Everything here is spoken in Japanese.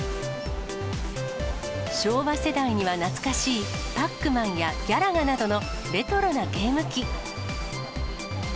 昭和世代には懐かしいパックマンやギャラガなどのレトロなゲーム機。